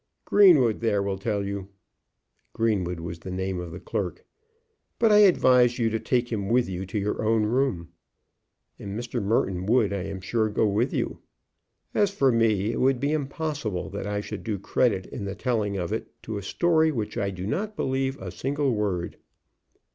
Greenwood there will tell you." Greenwood was the name of the clerk. "But I advise you to take him with you to your own room. And Mr. Merton would, I am sure, go with you. As for me, it would be impossible that I should do credit in the telling of it to a story of which I do not believe a single word."